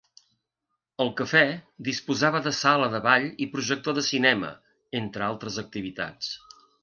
El Cafè disposava de sala de ball i projector de cinema, entre altres activitats.